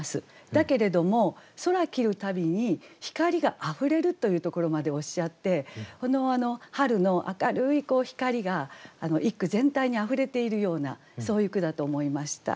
だけれども空切るたびに光があふれるというところまでおっしゃって春の明るい光が一句全体にあふれているようなそういう句だと思いました。